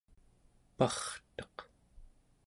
parteq